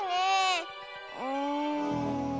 うん。